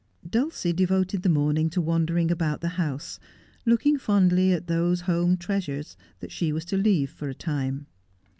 Dulcie devoted the morning to wandering about the house, looking fondly at those home treasures she was to leave for a time.